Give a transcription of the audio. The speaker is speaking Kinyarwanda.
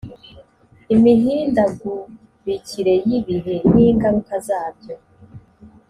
imihindagurikire y’ibihe n’ingaruka zabyo